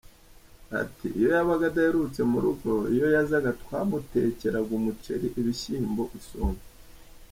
Ati “Iyo yabaga adaheruka mu rugo, iyo yazaga twamutekeraga umuceri, ibishyimbo, isombe.